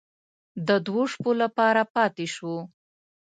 د دوو شپو لپاره پاتې شوو.